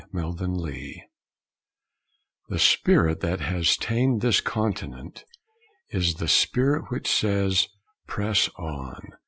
PRESS ON The spirit that has tamed this continent is the spirit which says, "Press on."